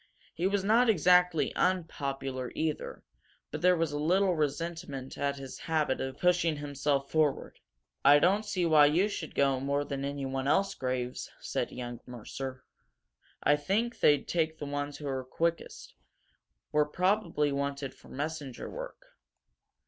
He was not exactly unpopular, either; but there was a little resentment at his habit of pushing himself forward. "I don't see why you should go more than anyone else, Graves," said young Mercer. "I think they'd take the ones who are quickest. We're probably wanted for messenger work."